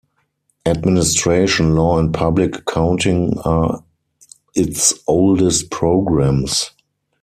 Administration, Law and Public Accounting are its oldest programs.